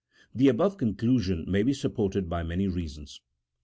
The above conclusion may be supported by many reasons.